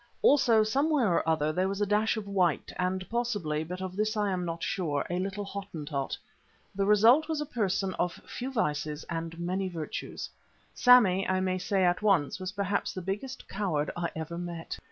Also, somewhere or other, there was a dash of white and possibly, but of this I am not sure, a little Hottentot. The result was a person of few vices and many virtues. Sammy, I may say at once, was perhaps the biggest coward I ever met.